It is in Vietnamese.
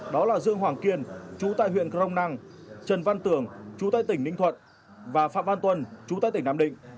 đó là dương hoàng kiên chú tại huyện crong năng trần văn tưởng chú tại tỉnh ninh thuận và phạm văn tuân chú tại tỉnh nam định